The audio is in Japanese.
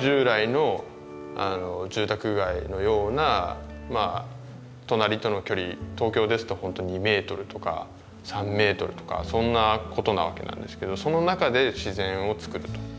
従来の住宅街のような隣との距離東京ですと本当２メートルとか３メートルとかそんなことなわけなんですけどその中で自然を作ると。